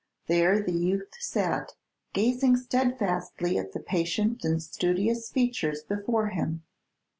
There the youth sat gazing steadfastly at the patient and studious features before him.